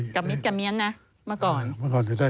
กะเมี๊ยนนะเมื่อก่อน